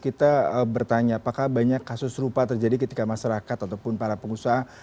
kita bertanya apakah banyak kasus serupa terjadi ketika masyarakat ataupun para pengusaha